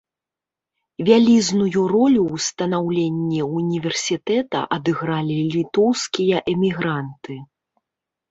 Вялізную ролю ў станаўленні ўніверсітэта адыгралі літоўскія эмігранты.